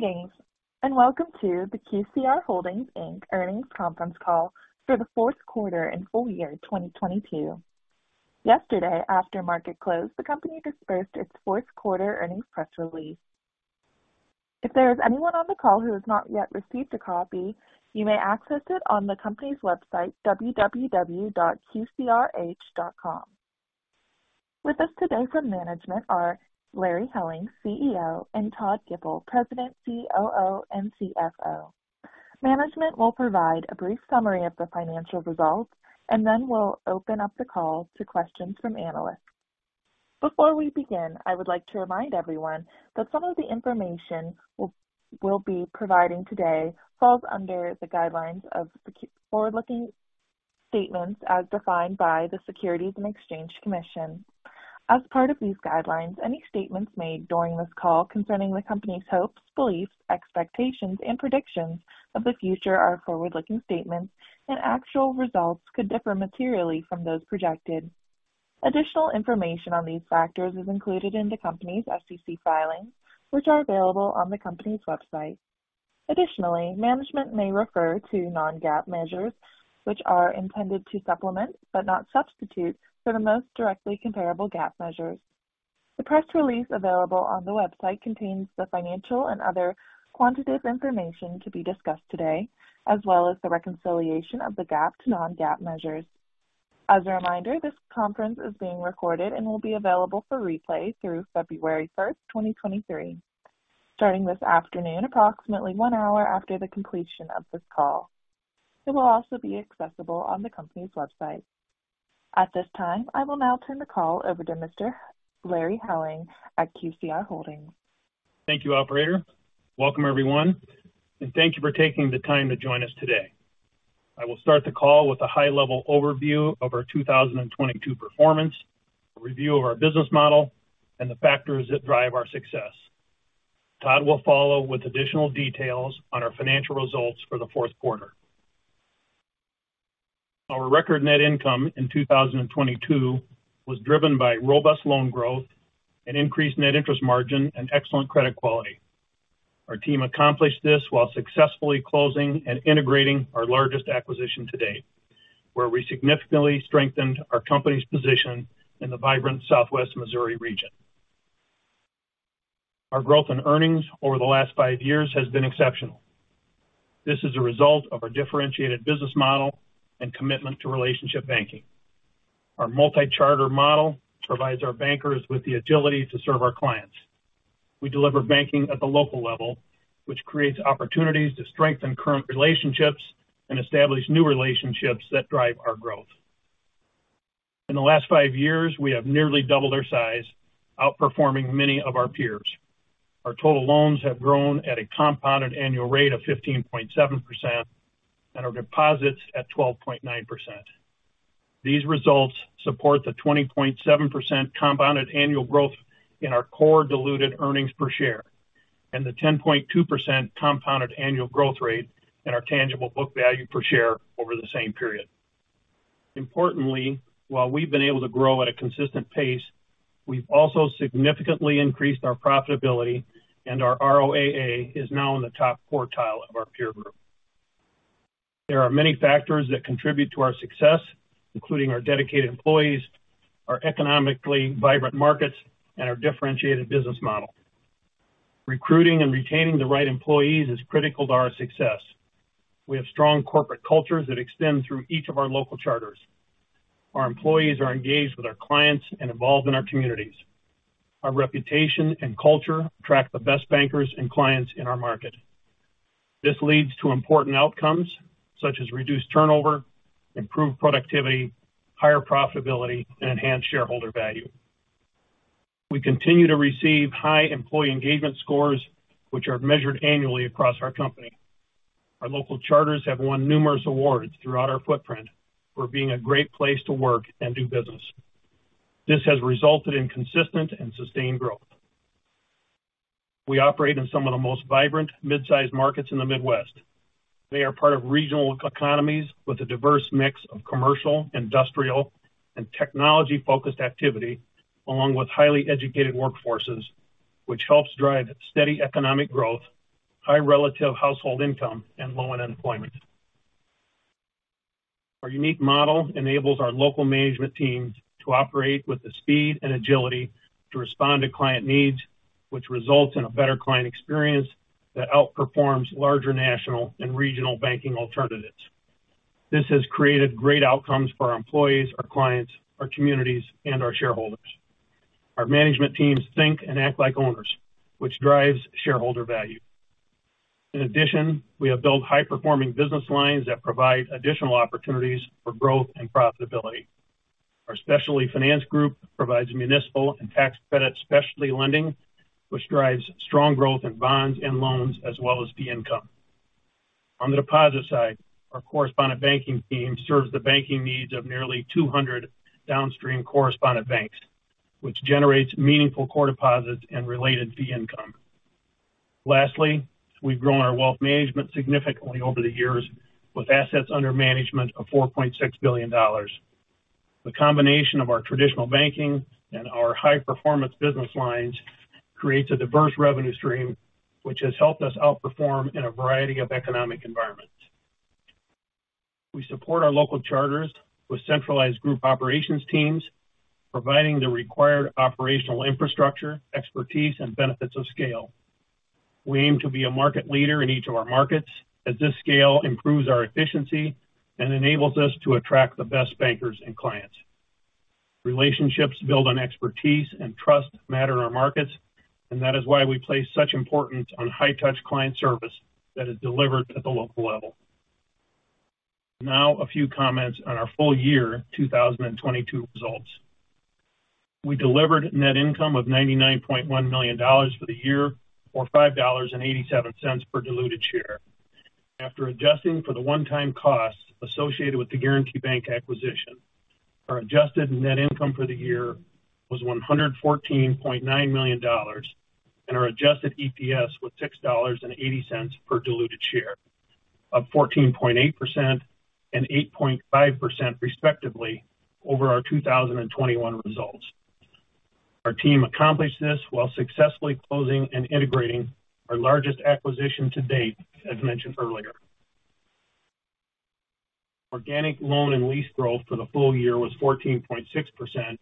Greetings, welcome to the QCR Holdings, Inc., earnings conference call for the fourth quarter and full year 2022. Yesterday, after market close, the company dispersed its fourth quarter earnings press release. If there is anyone on the call who has not yet received a copy, you may access it on the company's website, www.qcrh.com. With us today from management are Larry Helling, CEO, and Todd Gipple, President, COO and CFO. Management will provide a brief summary of the financial results, then we'll open up the call to questions from analysts. Before we begin, I would like to remind everyone that some of the information we'll be providing today falls under the guidelines of forward-looking statements as defined by the Securities and Exchange Commission. As part of these guidelines, any statements made during this call concerning the company's hopes, beliefs, expectations, and predictions of the future are forward-looking statements. Actual results could differ materially from those projected. Additional information on these factors is included in the company's SEC filings, which are available on the company's website. Additionally, management may refer to non-GAAP measures, which are intended to supplement, but not substitute, for the most directly comparable GAAP measures. The press release available on the website contains the financial and other quantitative information to be discussed today, as well as the reconciliation of the GAAP to non-GAAP measures. As a reminder, this conference is being recorded and will be available for replay through February 1st, 2023, starting this afternoon, approximately one hour after the completion of this call. It will also be accessible on the company's website. At this time, I will now turn the call over to Mr. Larry Helling at QCR Holdings. Thank you, operator. Welcome, everyone, and thank you for taking the time to join us today. I will start the call with a high-level overview of our 2022 performance, a review of our business model, and the factors that drive our success. Todd will follow with additional details on our financial results for the fourth quarter. Our record net income in 2022 was driven by robust loan growth and increased net interest margin and excellent credit quality. Our team accomplished this while successfully closing and integrating our largest acquisition to date, where we significantly strengthened our company's position in the vibrant Southwest Missouri region. Our growth and earnings over the last five years has been exceptional. This is a result of our differentiated business model and commitment to relationship banking. Our multi-charter model provides our bankers with the agility to serve our clients. We deliver banking at the local level, which creates opportunities to strengthen current relationships and establish new relationships that drive our growth. In the last five years, we have nearly doubled our size, outperforming many of our peers. Our total loans have grown at a compounded annual rate of 15.7% and our deposits at 12.9%. These results support the 20.7% compounded annual growth in our core diluted earnings per share and the 10.2% compounded annual growth rate in our tangible book value per share over the same period. Importantly, while we've been able to grow at a consistent pace, we've also significantly increased our profitability, and our ROAA is now in the top quartile of our peer group. There are many factors that contribute to our success, including our dedicated employees, our economically vibrant markets, and our differentiated business model. Recruiting and retaining the right employees is critical to our success. We have strong corporate cultures that extend through each of our local charters. Our employees are engaged with our clients and involved in our communities. Our reputation and culture attract the best bankers and clients in our market. This leads to important outcomes such as reduced turnover, improved productivity, higher profitability, and enhanced shareholder value. We continue to receive high employee engagement scores, which are measured annually across our company. Our local charters have won numerous awards throughout our footprint for being a great place to work and do business. This has resulted in consistent and sustained growth. We operate in some of the most vibrant mid-sized markets in the Midwest. They are part of regional economies with a diverse mix of commercial, industrial, and technology-focused activity, along with highly educated workforces, which helps drive steady economic growth, high relative household income, and low unemployment. Our unique model enables our local management teams to operate with the speed and agility to respond to client needs, which results in a better client experience that outperforms larger national and regional banking alternatives. This has created great outcomes for our employees, our clients, our communities, and our shareholders. Our management teams think and act like owners, which drives shareholder value. In addition, we have built high performing business lines that provide additional opportunities for growth and profitability. Our specialty finance group provides municipal and tax credit specialty lending, which drives strong growth in bonds and loans as well as fee income. On the deposit side, our correspondent banking team serves the banking needs of nearly 200 downstream correspondent banks, which generates meaningful core deposits and related fee income. Lastly, we've grown our wealth management significantly over the years with assets under management of $4.6 billion. The combination of our traditional banking and our high performance business lines creates a diverse revenue stream which has helped us outperform in a variety of economic environments. We support our local charters with centralized group operations teams, providing the required operational infrastructure, expertise and benefits of scale. We aim to be a market leader in each of our markets as this scale improves our efficiency and enables us to attract the best bankers and clients. Relationships build on expertise and trust matter in our markets, that is why we place such importance on high-touch client service that is delivered at the local level. A few comments on our full year 2022 results. We delivered net income of $99.1 million for the year, or $5.87 per diluted share. After adjusting for the one-time costs associated with the Guaranty Bank acquisition, our adjusted net income for the year was $114.9 million, and our adjusted EPS was $6.80 per diluted share of 14.8% and 8.5% respectively over our 2021 results. Our team accomplished this while successfully closing and integrating our largest acquisition to date, as mentioned earlier. Organic loan and lease growth for the full year was 14.6%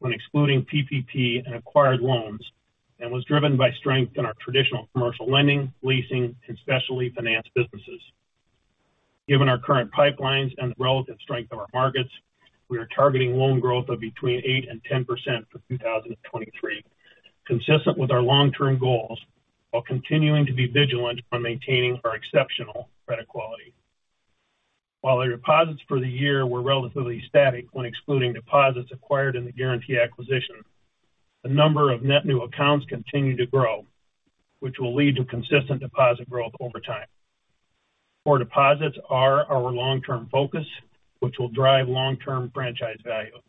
when excluding PPP and acquired loans, and was driven by strength in our traditional commercial lending, leasing and specialty finance businesses. Given our current pipelines and the relative strength of our markets, we are targeting loan growth of between 8% and 10% for 2023, consistent with our long term goals, while continuing to be vigilant on maintaining our exceptional credit quality. While the deposits for the year were relatively static when excluding deposits acquired in the Guaranty acquisition, the number of net new accounts continued to grow, which will lead to consistent deposit growth over time. Core deposits are our long term focus, which will drive long term franchise value.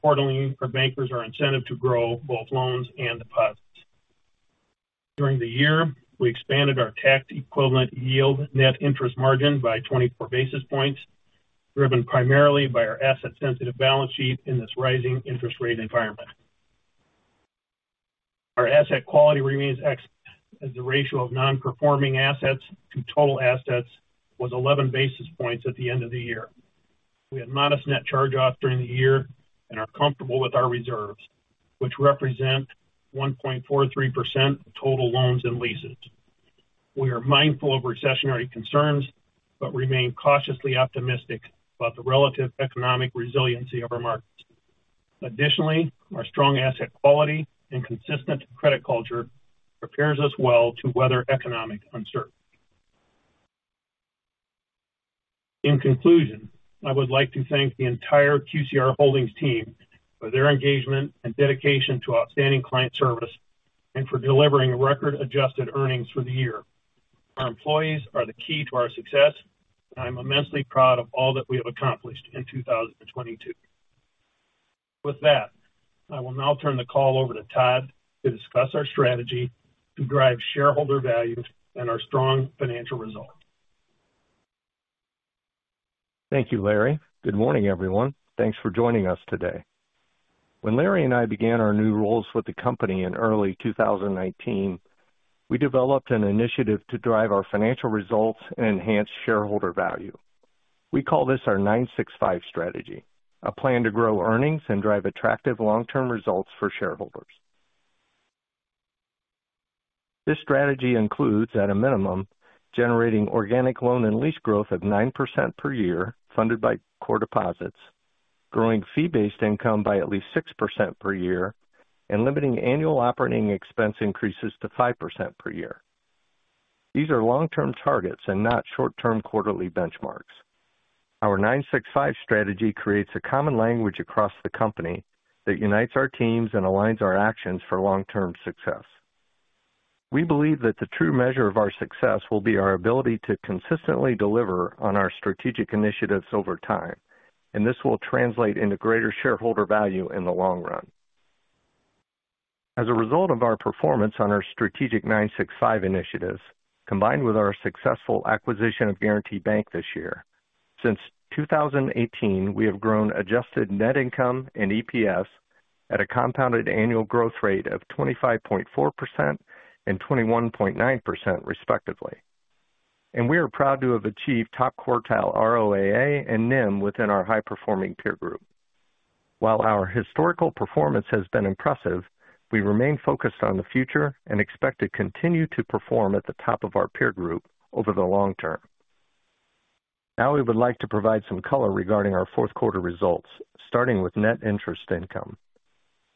Quarterly, our bankers are incented to grow both loans and deposits. During the year, we expanded our Tax Equivalent Yield Net Interest Margin by 24 basis points, driven primarily by our asset-sensitive balance sheet in this rising interest rate environment. Our asset quality remains excellent as the ratio of Non-Performing Assets to total assets was 11 basis points at the end of the year. We had modest net charge-offs during the year and are comfortable with our reserves, which represent 1.43% of total loans and leases. We are mindful of recessionary concerns but remain cautiously optimistic about the relative economic resiliency of our markets. Our strong asset quality and consistent credit culture prepares us well to weather economic uncertainty. In conclusion, I would like to thank the entire QCR Holdings team for their engagement and dedication to outstanding client service and for delivering record adjusted earnings for the year. Our employees are the key to our success, and I'm immensely proud of all that we have accomplished in 2022. With that, I will now turn the call over to Todd to discuss our strategy to drive shareholder value and our strong financial results. Thank you, Larry. Good morning, everyone. Thanks for joining us today. When Larry and I began our new roles with the company in early 2019, we developed an initiative to drive our financial results and enhance shareholder value. We call this our 965 strategy, a plan to grow earnings and drive attractive long term results for shareholders. This strategy includes, at a minimum, generating organic loan and lease growth of 9% per year funded by core deposits, growing fee-based income by at least 6% per year, and limiting annual operating expense increases to 5% per year. These are long term targets and not short term quarterly benchmarks. Our 965 strategy creates a common language across the company that unites our teams and aligns our actions for long term success. We believe that the true measure of our success will be our ability to consistently deliver on our strategic initiatives over time, this will translate into greater shareholder value in the long run. As a result of our performance on our strategic 965 initiatives, combined with our successful acquisition of Guaranty Bank this year, since 2018, we have grown adjusted net income and EPS at a compounded annual growth rate of 25.4% and 21.9% respectively. We are proud to have achieved top quartile ROAA and NIM within our high performing peer group. While our historical performance has been impressive, we remain focused on the future and expect to continue to perform at the top of our peer group over the long term. Now we would like to provide some color regarding our fourth quarter results, starting with net interest income.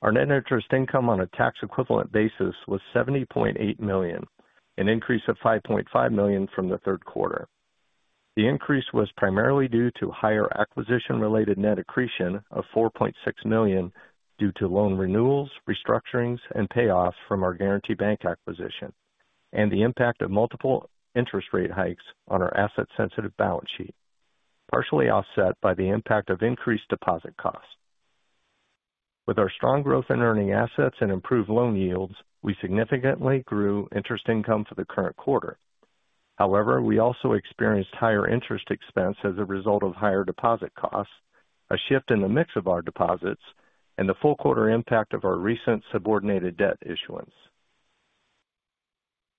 Our net interest income on a tax equivalent basis was $70.8 million, an increase of $5.5 million from the third quarter. The increase was primarily due to higher acquisition related net accretion of $4.6 million due to loan renewals, restructurings and payoffs from our Guaranty Bank acquisition and the impact of multiple interest rate hikes on our asset sensitive balance sheet, partially offset by the impact of increased deposit costs. With our strong growth in earning assets and improved loan yields, we significantly grew interest income for the current quarter. However, we also experienced higher interest expense as a result of higher deposit costs, a shift in the mix of our deposits, and the full quarter impact of our recent subordinated debt issuance.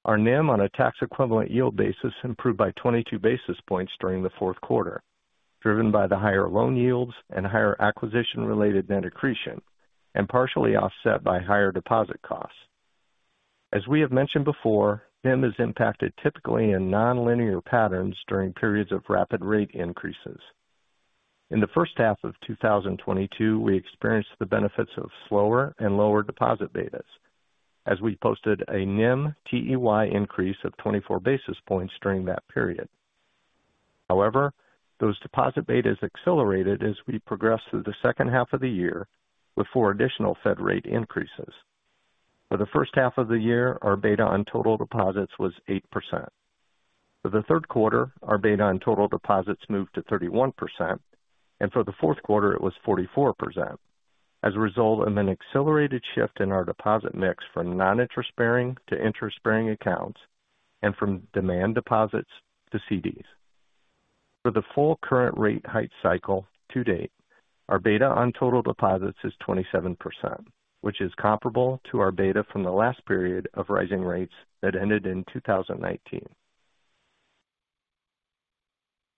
Our NIM on a tax equivalent yield basis improved by 22 basis points during the fourth quarter, driven by the higher loan yields and higher acquisition-related net accretion, and partially offset by higher deposit costs. As we have mentioned before, NIM is impacted typically in nonlinear patterns during periods of rapid rate increases. In the first half of 2022, we experienced the benefits of slower and lower deposit betas as we posted a NIM TEY increase of 24 basis points during that period. However, those deposit betas accelerated as we progressed through the second half of the year with four additional Fed rate increases. For the first half of the year, our beta on total deposits was 8%. For the third quarter, our beta on total deposits moved to 31%, and for the fourth quarter it was 44% as a result of an accelerated shift in our deposit mix from non-interest bearing to interest bearing accounts and from demand deposits to CDs. For the full current rate height cycle to date, our beta on total deposits is 27%, which is comparable to our beta from the last period of rising rates that ended in 2019.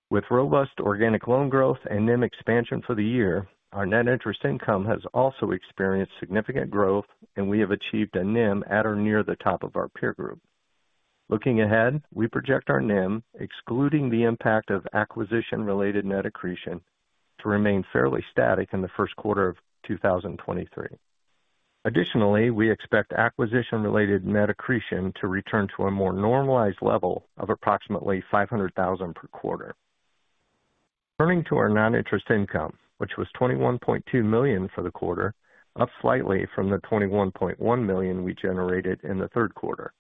With robust organic loan growth and NIM expansion for the year, our net interest income has also experienced significant growth and we have achieved a NIM at or near the top of our peer group. Looking ahead, we project our NIM excluding the impact of acquisition related net accretion to remain fairly static in the first quarter of 2023. Additionally, we expect acquisition related net accretion to return to a more normalized level of approximately $500,000 per quarter. Turning to our non-interest income, which was $21.2 million for the quarter, up slightly from the $21.1 million we generated in the third quarter.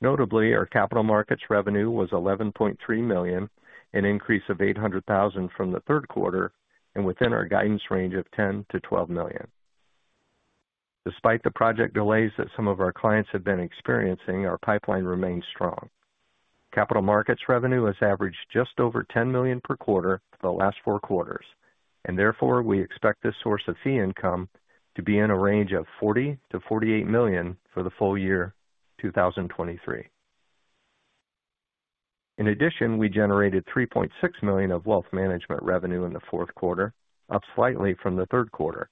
Notably, our capital markets revenue was $11.3 million, an increase of $800,000 from the third quarter and within our guidance range of $10 million-$12 million. Despite the project delays that some of our clients have been experiencing, our pipeline remains strong. Therefore, we expect this source of fee income to be in a range of $40 million-$48 million for the full year 2023. In addition, we generated $3.6 million of wealth management revenue in the fourth quarter, up slightly from the third quarter.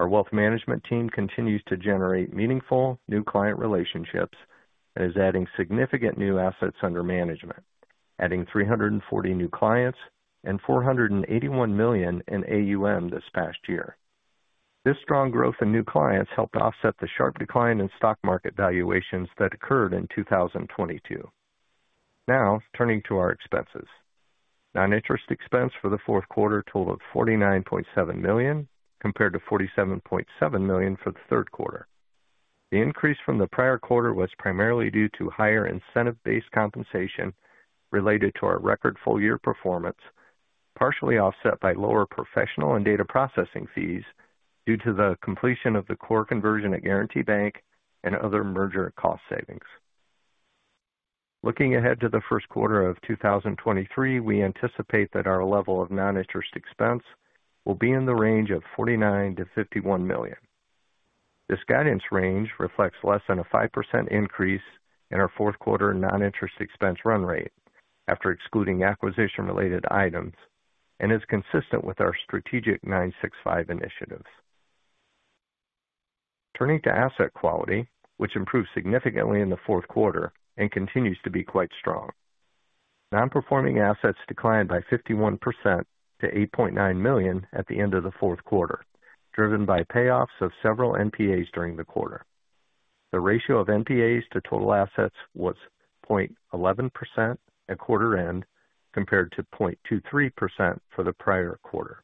Our wealth management team continues to generate meaningful new client relationships and is adding significant new assets under management, adding 340 new clients and $481 million in AUM this past year. This strong growth in new clients helped offset the sharp decline in stock market valuations that occurred in 2022. Now turning to our expenses. Non-interest expense for the fourth quarter totaled $49.7 million, compared to $47.7 million for the third quarter. The increase from the prior quarter was primarily due to higher incentive based compensation related to our record full year performance, partially offset by lower professional and data processing fees due to the completion of the core conversion at Guaranty Bank and other merger cost savings. Looking ahead to the first quarter of 2023, we anticipate that our level of non-interest expense will be in the range of $49 million-$51 million. This guidance range reflects less than a 5% increase in our fourth quarter non-interest expense run rate after excluding acquisition related items and is consistent with our strategic 965 initiatives. Turning to asset quality, which improved significantly in the fourth quarter and continues to be quite strong. Non-performing assets declined by 51% to $8.9 million at the end of the fourth quarter, driven by payoffs of several NPAs during the quarter. The ratio of NPAs to total assets was 0.11% at quarter end compared to 0.23% for the prior quarter.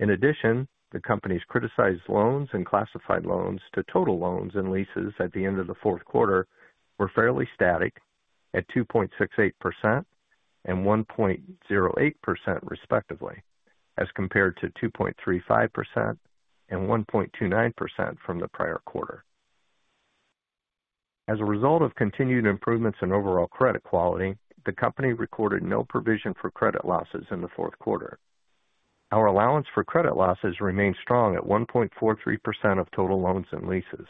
In addition, the company's criticized loans and classified loans to total loans and leases at the end of the fourth quarter were fairly static at 2.68% and 1.08% respectively as compared to 2.35% and 1.29% from the prior quarter. As a result of continued improvements in overall credit quality, the company recorded no provision for credit losses in the fourth quarter. Our allowance for credit losses remained strong at 1.43% of total loans and leases.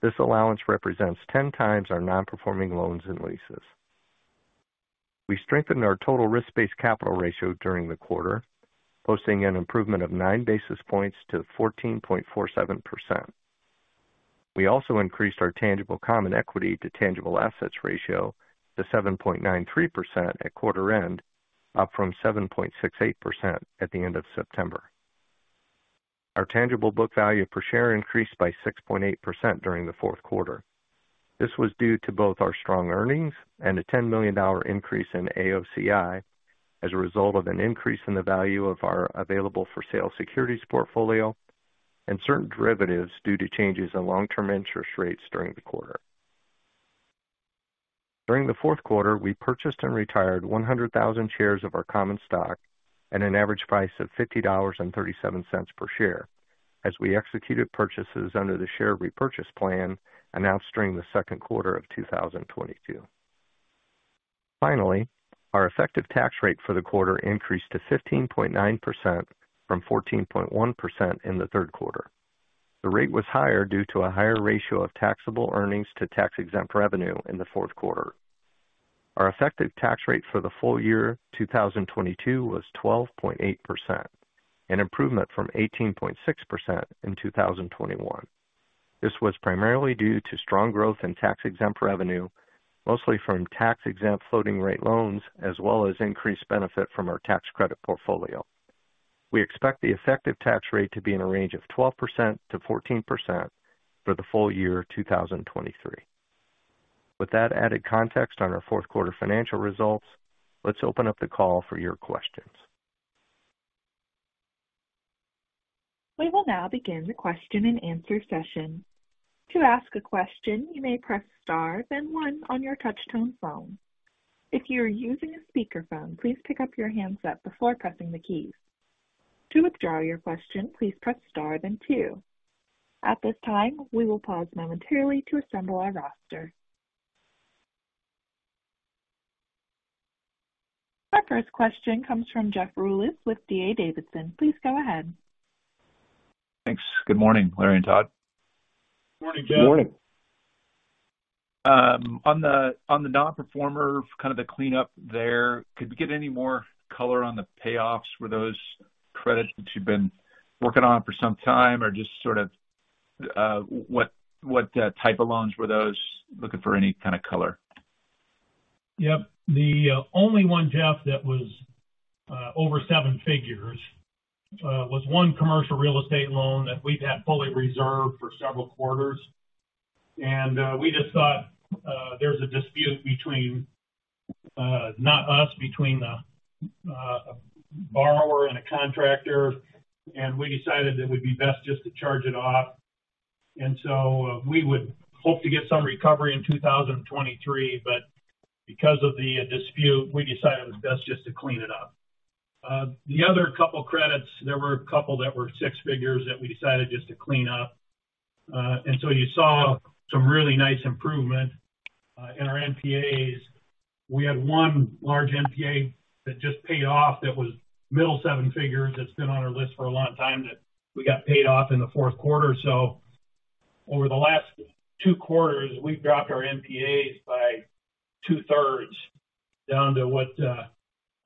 This allowance represents 10x our non-performing loans and leases. We strengthened our total risk based capital ratio during the quarter, posting an improvement of 9 basis points to 14.47%. We also increased our tangible common equity to tangible assets ratio to 7.93% at quarter end, up from 7.68% at the end of September. Our tangible book value per share increased by 6.8% during the fourth quarter. This was due to both our strong earnings and a $10 million increase in AOCI as a result of an increase in the value of our available for sale securities portfolio and certain derivatives due to changes in long term interest rates during the quarter. During the fourth quarter, we purchased and retired 100,000 shares of our common stock at an average price of $50.37 per share as we executed purchases under the share repurchase plan announced during the second quarter of 2022. Our effective tax rate for the quarter increased to 15.9% from 14.1% in the third quarter. The rate was higher due to a higher ratio of taxable earnings to tax-exempt revenue in the fourth quarter. Our effective tax rate for the full year 2022 was 12.8%, an improvement from 18.6% in 2021. This was primarily due to strong growth in tax-exempt revenue, mostly from tax-exempt floating rate loans, as well as increased benefit from our tax credit portfolio. We expect the effective tax rate to be in a range of 12%-14% for the full year 2023. With that added context on our fourth quarter financial results, let's open up the call for your questions. We will now begin the question-and-answer session. To ask a question, you may press star then one on your touch tone phone. If you are using a speakerphone, please pick up your handset before pressing the keys. To withdraw your question, please press star then two. At this time, we will pause momentarily to assemble our roster. Our first question comes from Jeffrey Rulis with D.A. Davidson. Please go ahead. Thanks. Good morning, Larry and Todd. Good morning, Jeff. Good morning. On the non-performer, kind of the cleanup there, could we get any more color on the payoffs for those credits that you've been working on for some time? Just sort of, what type of loans were those? Looking for any kind of color. Yep. The only one, Jeff, that was over seven figures, was one commercial real estate loan that we've had fully reserved for several quarters. We just thought, there's a dispute between, not us, between a borrower and a contractor, and we decided it would be best just to charge it off. We would hope to get some recovery in 2023, but because of the dispute, we decided it was best just to clean it up. The other couple credits, there were a couple that were six figures that we decided just to clean up. You saw some really nice improvement, in our NPAs. We had one large NPA that just paid off that was middle seven figures that's been on our list for a long time that we got paid off in the fourth quarter. Over the last two quarters, we've dropped our NPAs by two-thirds down to what,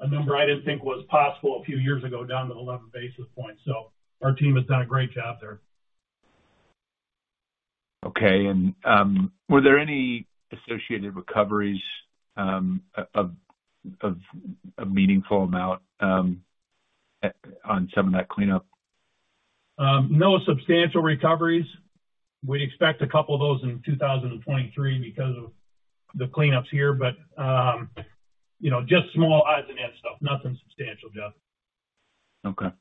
a number I didn't think was possible a few years ago, down to 11 basis points. Our team has done a great job there. Okay. were there any associated recoveries of a meaningful amount on some of that cleanup? No substantial recoveries. We expect a couple of those in 2023 because of the cleanups here, but, you know, just small odds and ends stuff. Nothing substantial, Jeff. Okay.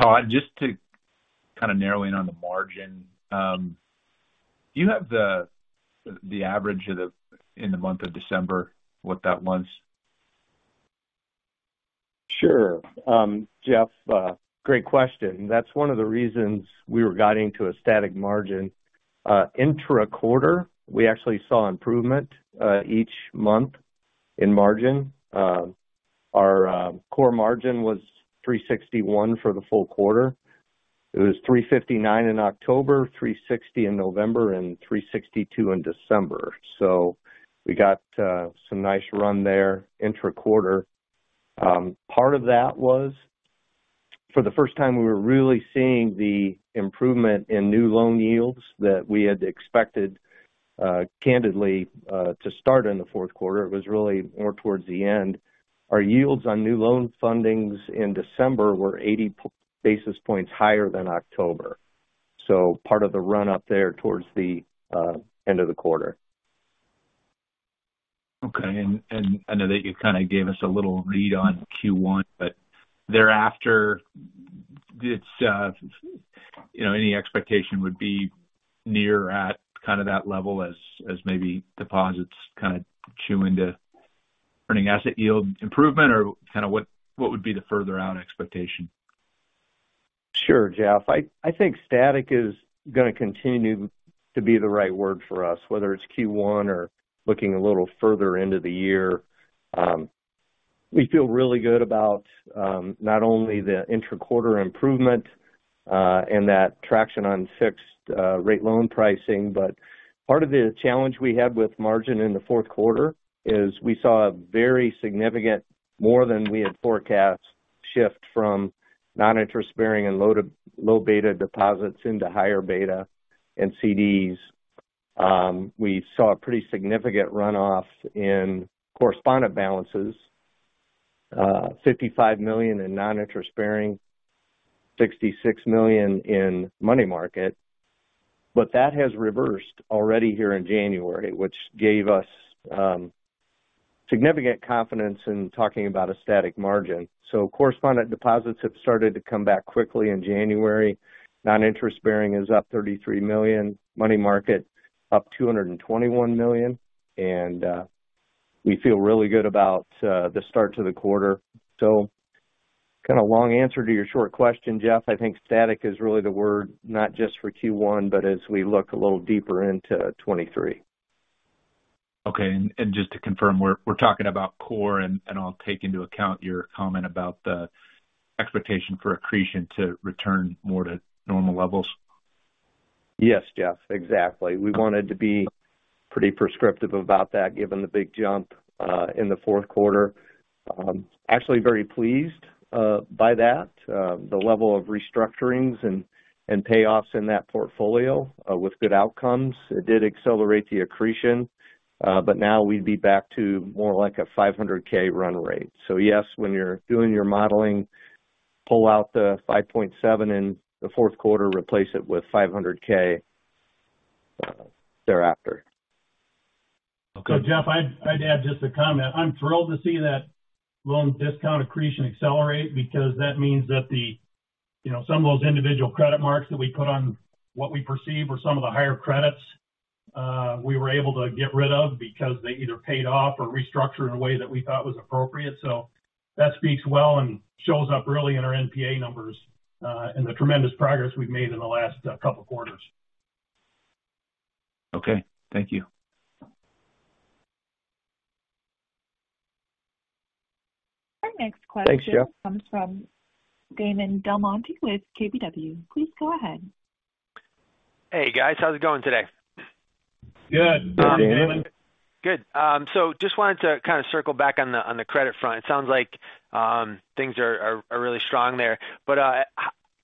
Todd, just to kind of narrowing on the margin, do you have the average of the in the month of December, what that was? Sure. Jeff, great question. That's one of the reasons we were guiding to a static margin. Intra-quarter, we actually saw improvement each month in margin. Our core margin was 361 for the full quarter. It was 359 in October, 360 in November, and 362 in December. We got some nice run there intra-quarter. Part of that was for the first time, we were really seeing the improvement in new loan yields that we had expected, candidly, to start in the fourth quarter. It was really more towards the end. Our yields on new loan fundings in December were 80 basis points higher than October. Part of the run up there towards the end of the quarter. Okay. I know that you kind of gave us a little read on Q1, but thereafter it's, you know, any expectation would be near at kind of that level as maybe deposits kind of chew into earning asset yield improvement or kind of what would be the further out expectation? Sure, Jeff. I think static is gonna continue to be the right word for us, whether it's Q1 or looking a little further into the year. we feel really good about not only the intra-quarter improvement and that traction on fixed rate loan pricing. Part of the challenge we had with margin in the fourth quarter is we saw a very significant more than we had forecast shift from non-interest bearing and load of low beta deposits into higher beta and CDs. We saw a pretty significant runoff in correspondent balances, $55 million in non-interest bearing, $66 million in money market. That has reversed already here in January, which gave us significant confidence in talking about a static margin. Correspondent deposits have started to come back quickly in January. Non-interest-bearing is up $33 million, money market up $221 million. We feel really good about the start to the quarter. Long answer to your short question, Jeff. I think static is really the word, not just for Q1, but as we look a little deeper into 2023. Okay. just to confirm, we're talking about core, and I'll take into account your comment about the expectation for accretion to return more to normal levels. Yes, Jeff. Exactly. We wanted to be pretty prescriptive about that given the big jump in the fourth quarter. Actually very pleased by that. The level of restructurings and payoffs in that portfolio with good outcomes, it did accelerate the accretion, but now we'd be back to more like a $500K run rate. Yes, when you're doing your modeling, pull out the $5.7 in the fourth quarter, replace it with $500K thereafter. Okay. Jeff, I'd add just a comment. I'm thrilled to see that loan discount accretion accelerate because that means that the, you know, some of those individual credit marks that we put on what we perceive are some of the higher credits, we were able to get rid of because they either paid off or restructured in a way that we thought was appropriate. That speaks well and shows up really in our NPA numbers, and the tremendous progress we've made in the last couple quarters. Okay. Thank you. Our next question comes from Damon DelMonte with KBW. Please go ahead. Hey, guys. How's it going today? Good. Good, Damon. Good. Just wanted to kind of circle back on the, on the credit front. It sounds like things are really strong there, but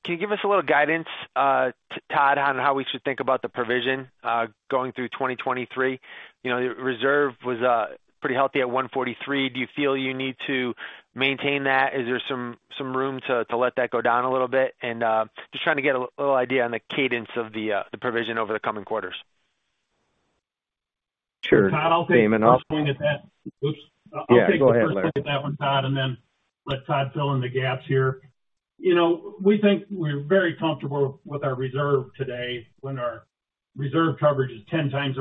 can you give us a little guidance, Todd, on how we should think about the provision going through 2023? You know, the reserve was pretty healthy at 143. Do you feel you need to maintain that? Is there some room to let that go down a little bit? Just trying to get a little idea on the cadence of the provision over the coming quarters. Sure, Damon. Todd, I'll take- Yeah, go ahead, Larry. I'll take the first look at that one, Todd, and then let Todd fill in the gaps here. You know, we think we're very comfortable with our reserve today when our reserve coverage is 10 times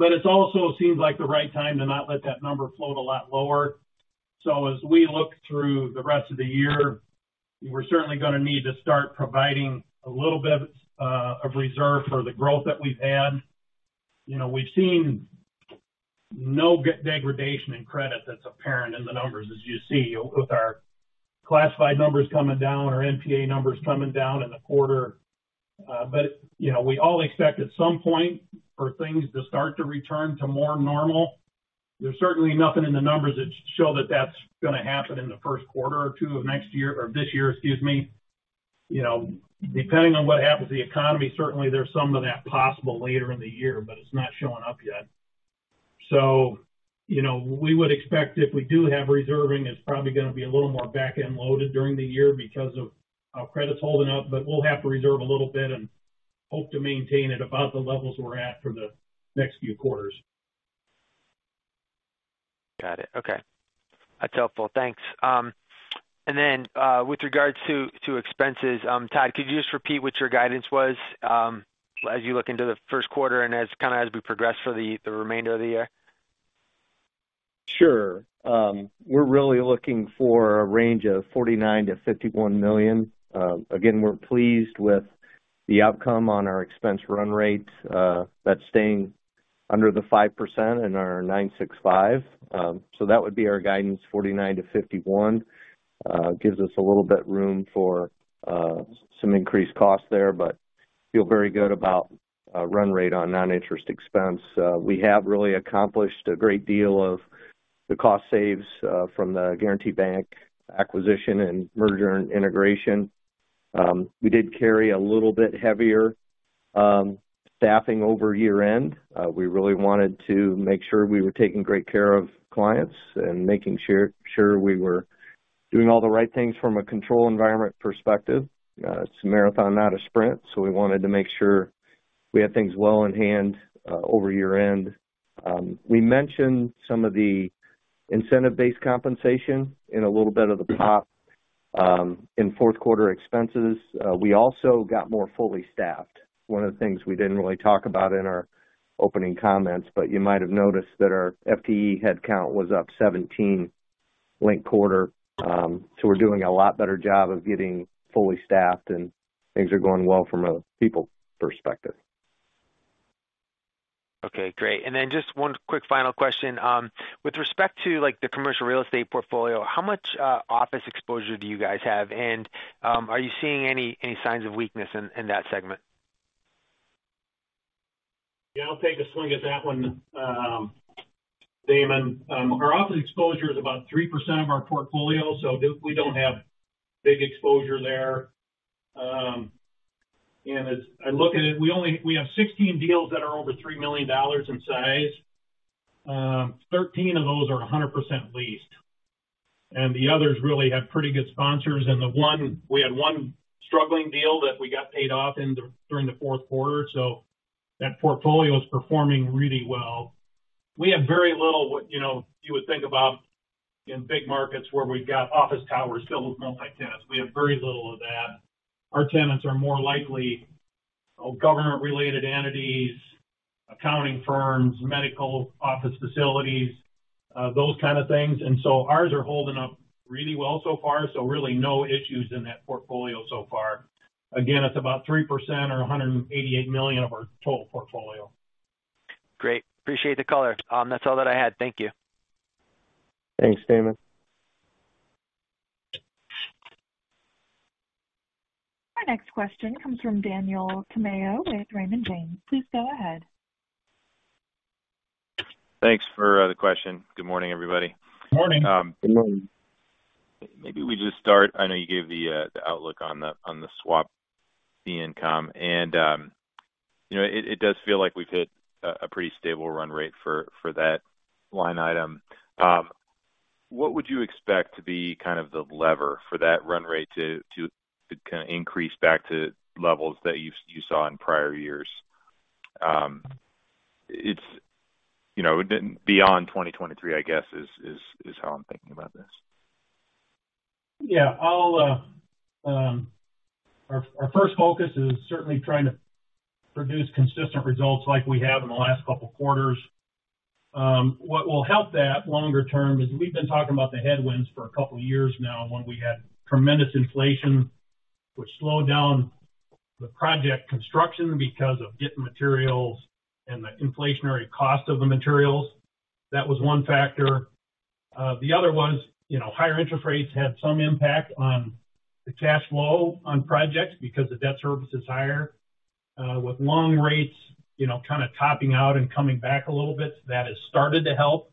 our NPAs. It also seems like the right time to not let that number float a lot lower. As we look through the rest of the year, we're certainly gonna need to start providing a little bit of reserve for the growth that we've had. You know, we've seen no degradation in credit that's apparent in the numbers, as you see with our classified numbers coming down, our NPA numbers coming down in the quarter. You know, we all expect at some point for things to start to return to more normal. There's certainly nothing in the numbers that show that that's gonna happen in the first quarter or two of next year or this year, excuse me. You know, depending on what happens to the economy, certainly there's some of that possible later in the year, but it's not showing up yet. You know, we would expect if we do have reserving, it's probably gonna be a little more back-end loaded during the year because of our credits holding up, but we'll have to reserve a little bit and hope to maintain it above the levels we're at for the next few quarters. Got it. Okay. That's helpful. Thanks. With regards to expenses, Todd, could you just repeat what your guidance was, as you look into the first quarter and as we progress for the remainder of the year? Sure. We're really looking for a range of $49 million-$51 million. Again, we're pleased with the outcome on our expense run rate. That's staying under the 5% in our 965. That would be our guidance, $49 million-$51 million. Gives us a little bit room for some increased costs there, but feel very good about run rate on non-interest expense. We have really accomplished a great deal of the cost saves from the Guaranty Bank acquisition and merger and integration. We did carry a little bit heavier staffing over year-end. We really wanted to make sure we were taking great care of clients and making sure we were doing all the right things from a control environment perspective. It's a marathon, not a sprint, so we wanted to make sure we had things well in hand, over year-end. We mentioned some of the incentive-based compensation in a little bit of the pop, in fourth quarter expenses. We also got more fully staffed. One of the things we didn't really talk about in our opening comments, but you might have noticed that our FTE headcount was up 17 linked quarter. We're doing a lot better job of getting fully staffed and things are going well from a people perspective. Okay, great. Just one quick final question. With respect to, like, the commercial real estate portfolio, how much office exposure do you guys have? Are you seeing any signs of weakness in that segment? Yeah, I'll take a swing at that one, Damon. Our office exposure is about 3% of our portfolio, so we don't have big exposure there. As I look at it, we have 16 deals that are over $3 million in size. 13 of those are 100% leased. The others really have pretty good sponsors. We had one struggling deal that we got paid off during the fourth quarter. That portfolio is performing really well. We have very little what, you know, you would think about in big markets where we've got office towers filled with multi-tenants. We have very little of that. Our tenants are more likely government-related entities, accounting firms, medical office facilities, those kind of things. Ours are holding up really well so far. Really no issues in that portfolio so far. Again, it's about 3% or $188 million of our total portfolio. Great. Appreciate the color. That's all that I had. Thank you. Thanks, Damon. Our next question comes from Daniel Tamayo with Raymond James. Please go ahead. Thanks for the question. Good morning, everybody. Morning. Good morning. Maybe we just start. I know you gave the outlook on the, on the swap fee income, and, you know, it does feel like we've hit a pretty stable run rate for that line item. What would you expect to be kind of the lever for that run rate to kinda increase back to levels that you saw in prior years? You know, beyond 2023, I guess, is how I'm thinking about this. Yeah. Our first focus is certainly trying to produce consistent results like we have in the last couple quarters. What will help that longer term is we've been talking about the headwinds for a couple years now when we had tremendous inflation, which slowed down the project construction because of getting materials and the inflationary cost of the materials. That was one factor. The other was, you know, higher interest rates had some impact on the cash flow on projects because the debt service is higher. With long rates, you know, kinda topping out and coming back a little bit, that has started to help.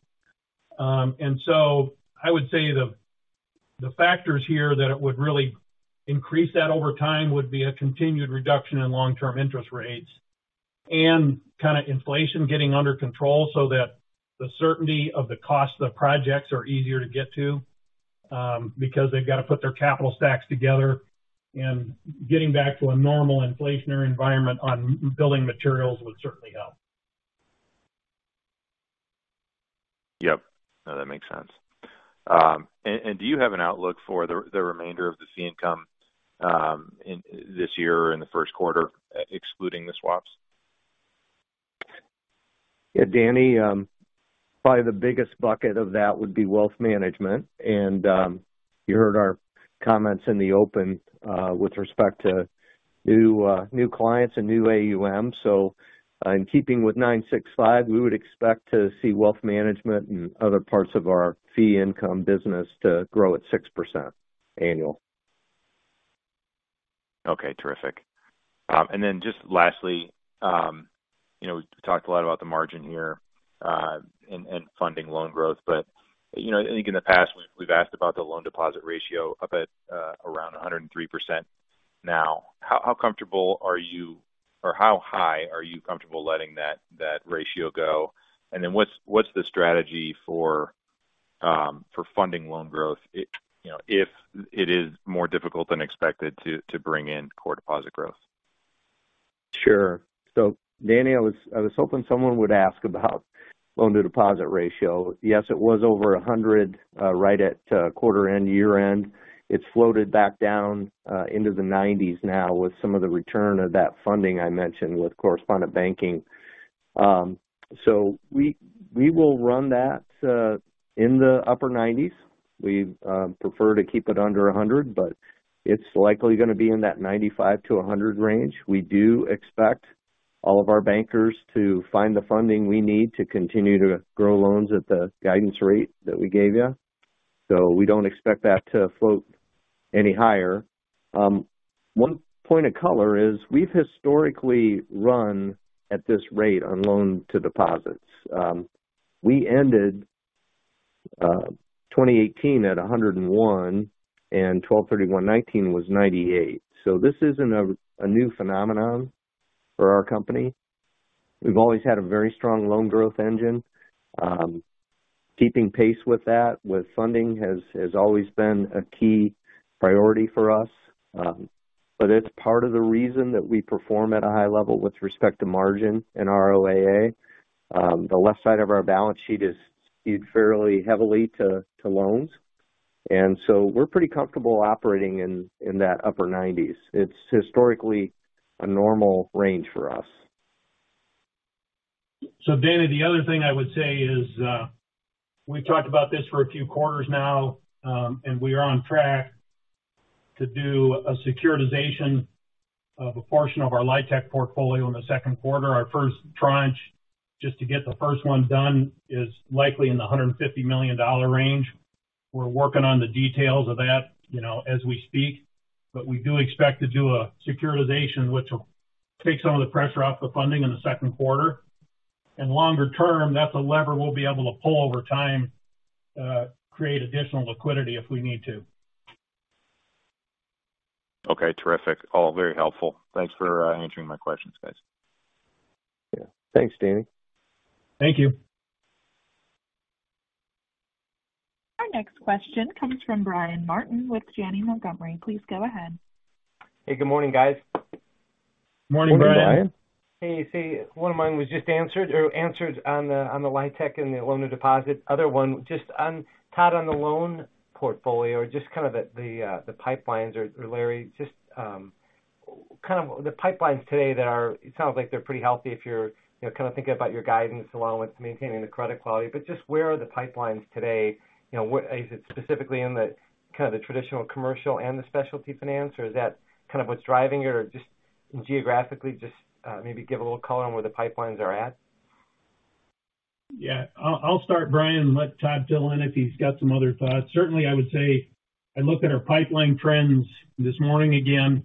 I would say the factors here that it would really increase that over time would be a continued reduction in long-term interest rates and kinda inflation getting under control so that the certainty of the cost of projects are easier to get to, because they've got to put their capital stacks together, and getting back to a normal inflationary environment on building materials would certainly help. Yep. No, that makes sense. Do you have an outlook for the remainder of the fee income this year or in the first quarter, excluding the swaps? Yeah, Danny, probably the biggest bucket of that would be wealth management. You heard our comments in the open with respect to new new clients and new AUM. In keeping with 965, we would expect to see wealth management and other parts of our fee income business to grow at 6% annual. Terrific. Lastly, you know, we talked a lot about the margin here, and funding loan growth. You know, I think in the past, we've asked about the loan deposit ratio up at around 103% now. How comfortable are you or how high are you comfortable letting that ratio go? What's the strategy for funding loan growth you know, if it is more difficult than expected to bring in core deposit growth? Sure. Danny, I was hoping someone would ask about loan to deposit ratio. Yes, it was over 100, right at quarter end, year-end. It's floated back down into the 90s now with some of the return of that funding I mentioned with correspondent banking. We will run that in the upper 90s. We prefer to keep it under 100, but it's likely gonna be in that 95-100 range. We do expect all of our bankers to find the funding we need to continue to grow loans at the guidance rate that we gave you. We don't expect that to float any higher. One point of color is we've historically run at this rate on loan to deposits. We ended 2018 at 101%, 12/31/2019 was 98%. This isn't a new phenomenon for our company. We've always had a very strong loan growth engine. Keeping pace with that, with funding has always been a key priority for us. It's part of the reason that we perform at a high level with respect to margin and ROAA. The left side of our balance sheet is skewed fairly heavily to loans, we're pretty comfortable operating in that upper 90s. It's historically a normal range for us. Danny, the other thing I would say is, we've talked about this for a few quarters now, and we are on track to do a securitization of a portion of our LIHTC portfolio in the second quarter. Our first tranche, just to get the first one done, is likely in the $150 million range. We're working on the details of that, you know, as we speak, but we do expect to do a securitization, which will take some of the pressure off the funding in the second quarter. Longer term, that's a lever we'll be able to pull over time, create additional liquidity if we need to. Okay, terrific. All very helpful. Thanks for answering my questions, guys. Yeah. Thanks, Danny. Thank you Our next question comes from Brian Martin with Janney Montgomery. Please go ahead. Hey, good morning, guys. Morning, Brian. Morning, Brian. Hey. See, one of mine was just answered on the LIHTC and the loan to deposit. Other one, just on Todd, on the loan portfolio, just kind of the pipelines or Larry, just kind of the pipelines today. It sounds like they're pretty healthy if you're, you know, kind of thinking about your guidance along with maintaining the credit quality. Just where are the pipelines today? You know, is it specifically in the kind of the traditional commercial and the specialty finance, or is that kind of what's driving it? Just geographically, just maybe give a little color on where the pipelines are at. Yeah. I'll start, Brian, let Todd fill in if he's got some other thoughts. Certainly, I would say I looked at our pipeline trends this morning again.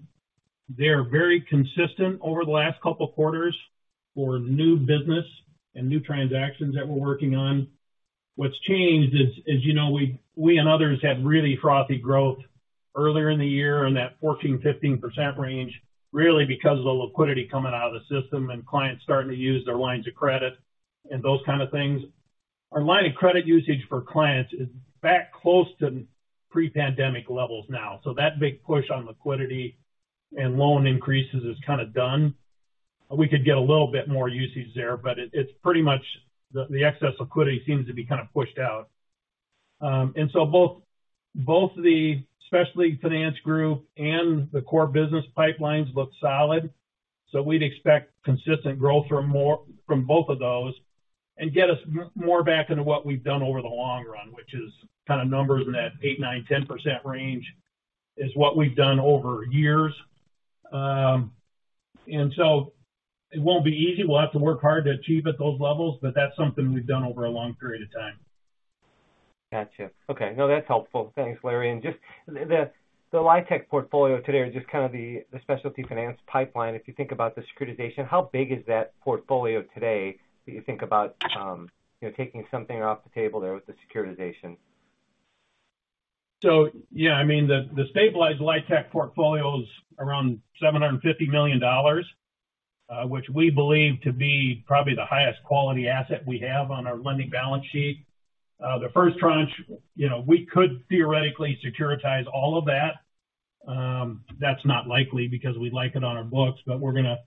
They are very consistent over the last couple quarters for new business and new transactions that we're working on. What's changed is, as you know, we and others had really frothy growth earlier in the year in that 14%-15% range, really because of the liquidity coming out of the system and clients starting to use their lines of credit and those kind of things. Our line of credit usage for clients is back close to pre-pandemic levels now. That big push on liquidity and loan increases is kind of done. We could get a little bit more usage there, but it's pretty much the excess liquidity seems to be kind of pushed out. Both the specialty finance group and the core business pipelines look solid. We'd expect consistent growth from both of those and get us more back into what we've done over the long run, which is kind of numbers in that 8%, 9%, 10% range is what we've done over years. It won't be easy. We'll have to work hard to achieve at those levels, but that's something we've done over a long period of time. Gotcha. Okay. No, that's helpful. Thanks, Larry. Just the LIHTC portfolio today or just kind of the specialty finance pipeline, if you think about the securitization, how big is that portfolio today that you think about, you know, taking something off the table there with the securitization? Yeah, I mean, the stabilized LIHTC portfolio is around $750 million, which we believe to be probably the highest quality asset we have on our lending balance sheet. The first tranche, you know, we could theoretically securitize all of that. That's not likely because we like it on our books, but we're gonna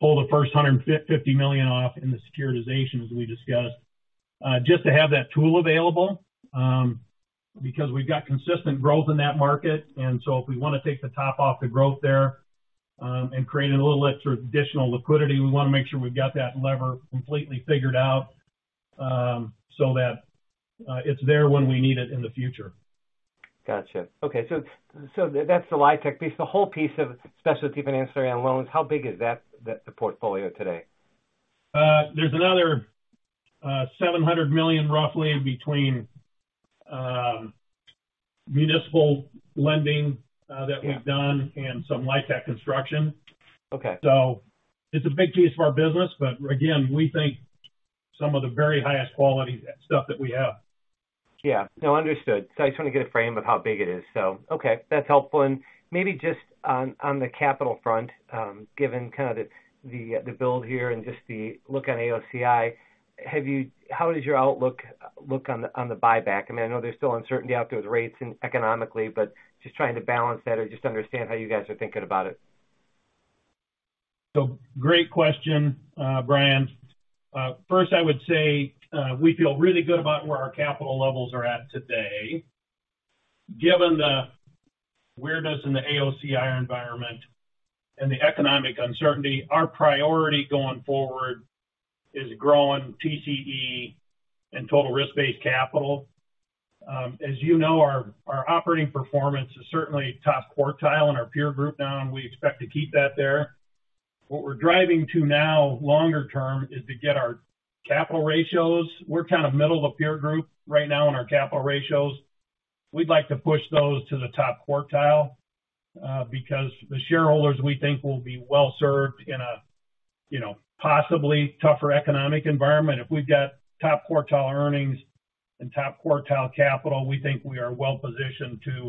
pull the first $150 million off in the securitization, as we discussed, just to have that tool available, because we've got consistent growth in that market. If we want to take the top off the growth there, and create a little extra additional liquidity, we want to make sure we've got that lever completely figured out, so that it's there when we need it in the future. Gotcha. Okay. So that's the LIHTC piece. The whole piece of specialty finance around loans, how big is that, the portfolio today? there's another $700 million roughly between municipal lending that we've done and some LIHTC construction. Okay. It's a big piece of our business, but again, we think some of the very highest quality stuff that we have. Yeah. No, understood. I just want to get a frame of how big it is. Okay, that's helpful. Maybe just on the capital front, given kind of the build here and just the look on AOCI, how does your outlook look on the buyback? I mean, I know there's still uncertainty out there with rates and economically, but just trying to balance that or just understand how you guys are thinking about it. Great question, Brian. First I would say, we feel really good about where our capital levels are at today. Given the weirdness in the AOCI environment and the economic uncertainty, our priority going forward is growing TCE and total risk-based capital. As you know, our operating performance is certainly top quartile in our peer group now, and we expect to keep that there. What we're driving to now longer term is to get our capital ratios. We're kind of middle of the peer group right now in our capital ratios. We'd like to push those to the top quartile, because the shareholders, we think, will be well served in a, you know, possibly tougher economic environment. If we've got top quartile earnings and top quartile capital, we think we are well positioned to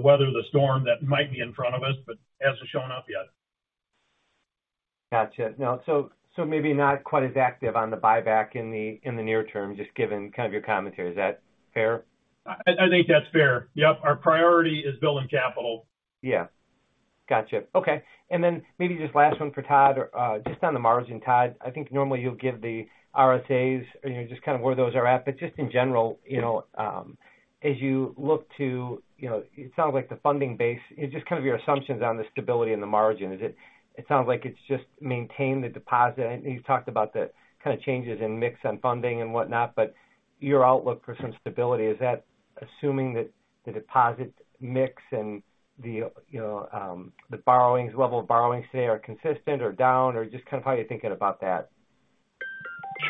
weather the storm that might be in front of us but hasn't shown up yet. Gotcha. Maybe not quite as active on the buyback in the, in the near term, just given kind of your commentary. Is that fair? I think that's fair. Yep. Our priority is building capital. Yeah. Gotcha. Okay. Then maybe just last one for Todd. Or, just on the margin, Todd, I think normally you'll give the RSAs, you know, just kind of where those are at. Just in general, you know, as you look to, you know, it sounds like the funding base is just kind of your assumptions on the stability and the margin. It sounds like it's just maintain the deposit. You've talked about the kind of changes in mix on funding and whatnot, but your outlook for some stability, is that assuming that the deposit mix and the, you know, the borrowings, level of borrowings today are consistent or down or just kind of how you're thinking about that?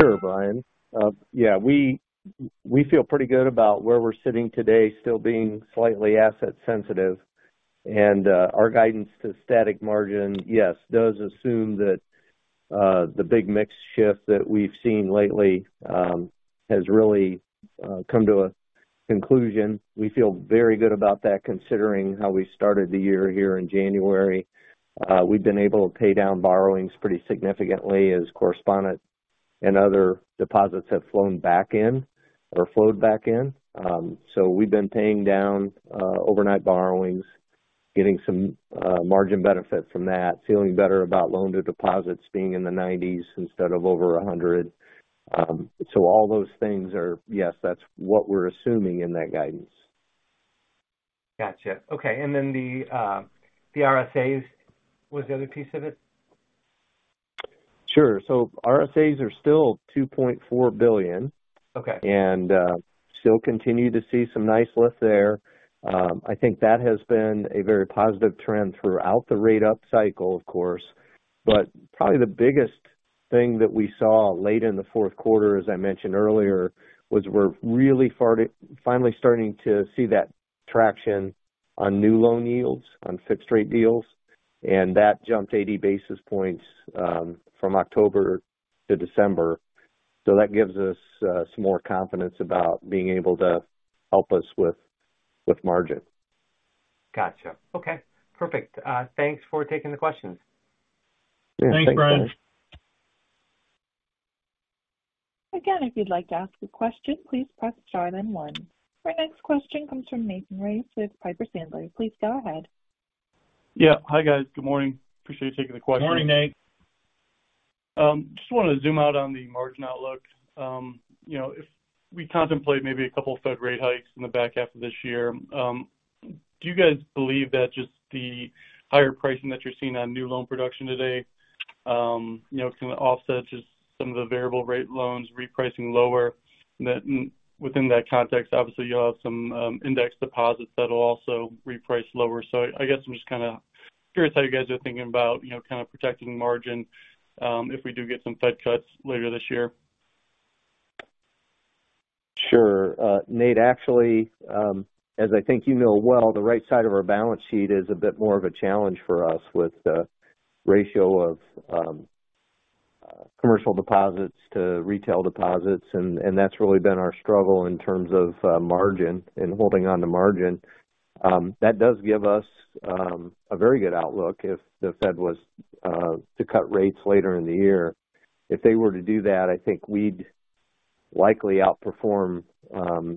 Sure, Brian. Yeah, we feel pretty good about where we're sitting today, still being slightly asset sensitive. Our guidance to static margin, yes, does assume that the big mix shift that we've seen lately has really come to a conclusion. We feel very good about that considering how we started the year here in January. We've been able to pay down borrowings pretty significantly as correspondent and other deposits have flown back in or flowed back in. We've been paying down overnight borrowings, getting some margin benefit from that, feeling better about loan to deposits being in the 90s instead of over 100. Yes, that's what we're assuming in that guidance. Gotcha. Okay. Then the RSAs was the other piece of it? Sure. RSAs are still $2.4 billion. Okay. Still continue to see some nice lift there. I think that has been a very positive trend throughout the rate up cycle, of course. Probably the biggest thing that we saw late in the fourth quarter, as I mentioned earlier, was we're really finally starting to see that traction on new loan yields on fixed rate deals, and that jumped 80 basis points from October to December. That gives us some more confidence about being able to help us with margin. Gotcha. Okay, perfect. Thanks for taking the questions. Yeah. Thanks, Brian. Thanks, Brian. Again, if you'd like to ask a question, please press star then one. Our next question comes from Nathan Race with Piper Sandler. Please go ahead. Yeah. Hi, guys. Good morning. Appreciate you taking the question. Morning, Nate. Just wanted to zoom out on the margin outlook. You know, if we contemplate maybe a couple Fed rate hikes in the back half of this year, do you guys believe that just the higher pricing that you're seeing on new loan production today, you know, can offset just some of the variable rate loans repricing lower? Within that context, obviously you'll have some, index deposits that'll also reprice lower. I guess I'm just kind of curious how you guys are thinking about, you know, kind of protecting margin, if we do get some Fed cuts later this year. Sure. Nate, actually, as I think you know well, the right side of our balance sheet is a bit more of a challenge for us with the ratio of commercial deposits to retail deposits, and that's really been our struggle in terms of margin and holding on to margin. That does give us a very good outlook if the Fed was to cut rates later in the year. If they were to do that, I think we'd likely outperform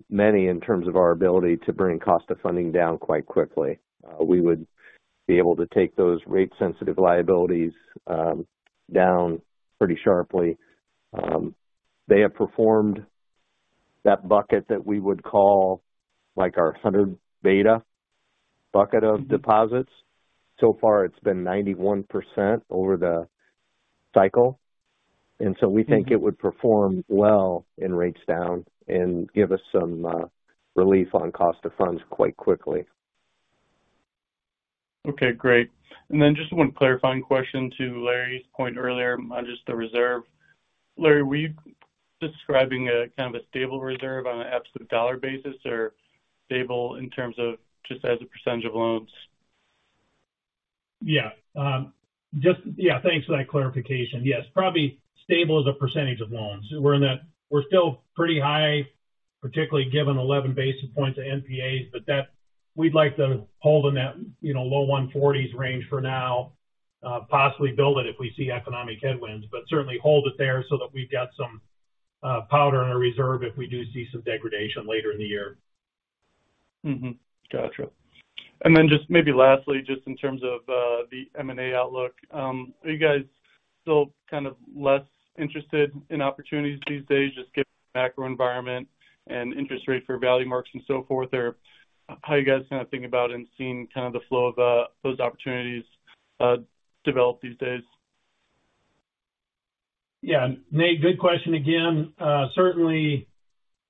many in terms of our ability to bring cost of funding down quite quickly. We would be able to take those rate sensitive liabilities down pretty sharply. They have performed that bucket that we would call, like, our 100 beta bucket of deposits. So far, it's been 91% over the cycle, and so we think it would perform well in rates down and give us some relief on cost of funds quite quickly. Okay, great. Just one clarifying question to Larry's point earlier on just the reserve. Larry, were you describing a, kind of a stable reserve on an absolute dollar basis or stable in terms of just as a percentage of loans? Thanks for that clarification. Probably stable as a percentage of loans. We're still pretty high, particularly given 11 basis points of NPAs, we'd like to hold in that, you know, low 140s range for now, possibly build it if we see economic headwinds. Certainly hold it there so that we've got some powder in our reserve if we do see some degradation later in the year. Gotcha. Just maybe lastly, just in terms of the M&A outlook, are you guys still kind of less interested in opportunities these days just given the macro environment and interest rate for value marks and so forth? Or how are you guys kind of thinking about and seeing kind of the flow of those opportunities develop these days? Nate, good question again. Certainly,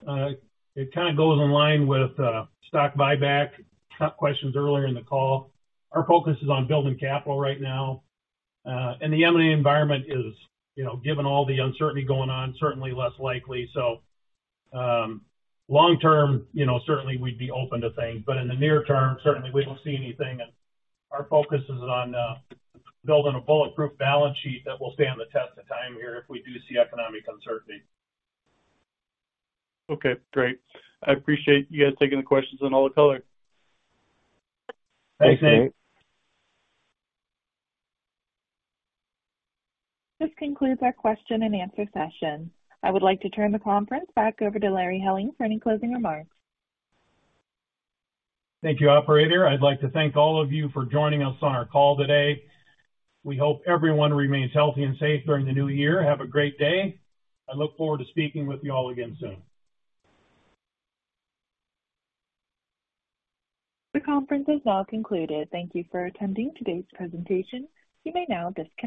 it kind of goes in line with stock buyback questions earlier in the call. Our focus is on building capital right now. The M&A environment is, you know, given all the uncertainty going on, certainly less likely. Long term, you know, certainly we'd be open to things, but in the near term, certainly we don't see anything, and our focus is on building a bulletproof balance sheet that will stand the test of time here if we do see economic uncertainty. Okay, great. I appreciate you guys taking the questions on all the color. Thanks, Nate. This concludes our question and answer session. I would like to turn the conference back over to Larry Helling for any closing remarks. Thank you, operator. I'd like to thank all of you for joining us on our call today. We hope everyone remains healthy and safe during the new year. Have a great day. I look forward to speaking with you all again soon. The conference is now concluded. Thank you for attending today's presentation. You may now disconnect.